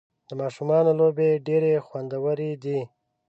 د ماشومانو لوبې ډېرې خوندورې دي.